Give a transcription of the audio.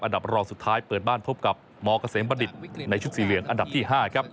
รองสุดท้ายเปิดบ้านพบกับมเกษมบัณฑิตในชุดสีเหลืองอันดับที่๕ครับ